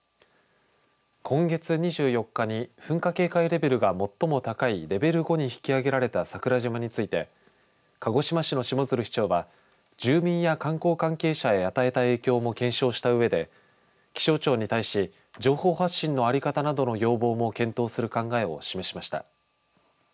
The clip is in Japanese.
今月２４日に噴火警戒レベルが最も高いレベル５に引き上げられた桜島について鹿児島市の下鶴市長は住民や観光関係者に与えた影響も懸念したうえで気象庁に対し情報発信の在り方などを検討する考えを示しました。